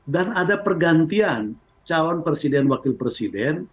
dan ada pergantian calon presiden wakil presiden